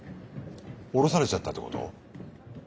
降ろされちゃったってこと？